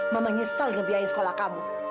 mama nyesel ngebiayai sekolah kamu